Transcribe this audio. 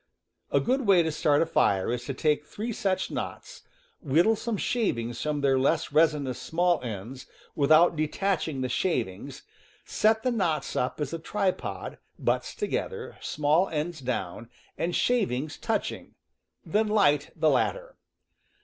A good way to start a fire is to take three such knots, whittle some shavings from their less resin ous small ends, without detaching the shavings, set the knots up as a tripod, butts together, small ends down, and shavings touching — then light the latter.